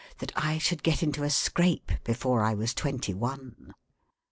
—that I should get into a scrape before I was twenty one.